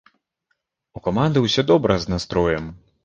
У каманды ўсё добра з настроем.